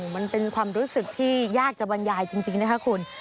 มันเป็นความรู้สึกที่ยากจะบรรยายจริงนะคะคุณ